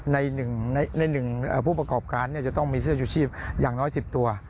ในหนึ่งผู้ประกอบการจะต้องมีเสื้อชูชีพอย่างน้อย๑๐ตัว